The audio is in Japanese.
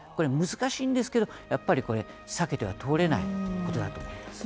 難しいんですけれどもやっぱりこれ、避けては通れないことだと思います。